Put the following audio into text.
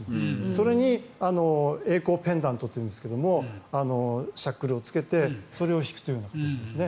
それにえい航ペンダントというんですがシャックルをつけてそれを引くという形です。